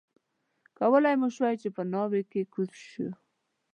کولای مو شوای چې په ناوې کې کوز شو.